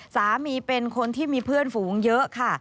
สามีเป็นคนที่มีเพื่อนฝูงเยอะค่ะ